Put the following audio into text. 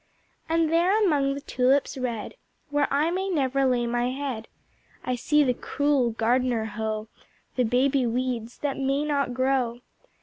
And there among the tulips red, Where I may never lay my head, I see the Cruel Gardener hoe The baby weeds that may not grow.